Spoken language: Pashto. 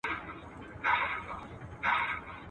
خر نه دئ، کچر دئ، په پوري د خره سر دئ.